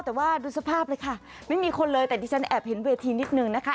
แต่ว่าดูสภาพเลยค่ะไม่มีคนเลยแต่ดิฉันแอบเห็นเวทีนิดนึงนะคะ